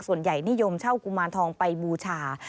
ส่วนใหญ่นิยมเช่ากุมารทองไปบูชา